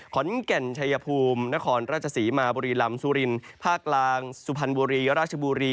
ขอนแก่นชัยภูมินครราชศรีมาบุรีลำสุรินภาคกลางสุพรรณบุรีราชบุรี